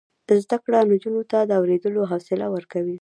زده کړه نجونو ته د اوریدلو حوصله ورکوي.